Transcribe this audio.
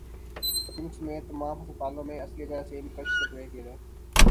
پمز سمیت تمام ھسپتالوں میں اصلی جراثیم کش سپرے کریں